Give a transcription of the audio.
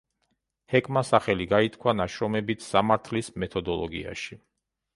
ჰეკმა სახელი გაითქვა ნაშრომებით სამართლის მეთოდოლოგიაში.